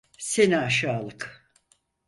Seni aşağılık!